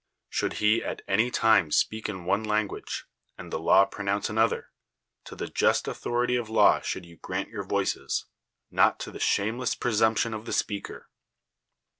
Should he at any lime speak in one langmige, and the law pronouncf^ another, to the just authority dI" law should you grant your voices, not to Ihe shanu'less presumption of the speaker.